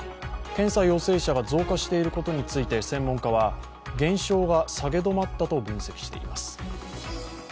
検査陽性者が増加していることについて専門家は、減少が下げ止まったと分析しています。